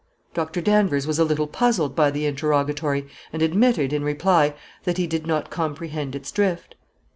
Doctor Danvers was a little puzzled by the interrogatory, and admitted, in reply, that he did not comprehend its drift.